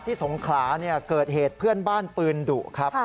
ที่สงคราเกิดเหตุเพื่อนบ้านปืนดุครับ